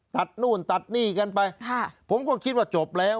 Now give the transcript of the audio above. ตัดนู่นตัดนี่กันไปผมก็คิดว่าจบแล้ว